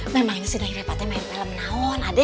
memangnya sih neng reva main film naon adek